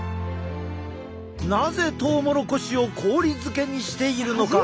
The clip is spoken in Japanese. なぜトウモロコシを氷漬けにしているのか？